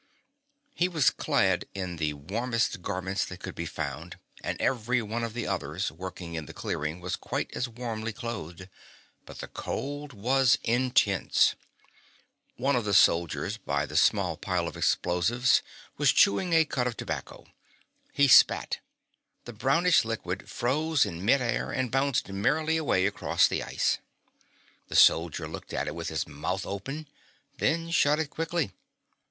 He was clad in the warmest garments that could be found, and every one of the others working in the clearing was quite as warmly clothed, but the cold was intense. One of the soldiers by the small pile of explosives was chewing a cud of tobacco. He spat. The brownish liquid froze in mid air and bounced merrily away across the ice. The soldier looked at it with his mouth open, then shut it quickly.